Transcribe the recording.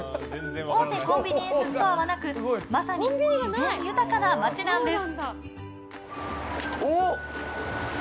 大手コンビニエンスストアはなくまさに自然豊かな町なんです。